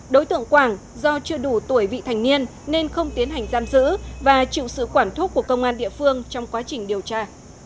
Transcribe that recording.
đối tượng quảng do chưa đủ tuổi vị thành niên nên không tiến hành giam giữ và chịu sự quản thúc của công an địa phương trong quá trình điều tra